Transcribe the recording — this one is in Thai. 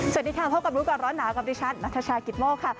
สวัสดีค่ะพบกับรู้ก่อนร้อนหนาวกับดิฉันนัทชายกิตโมกค่ะ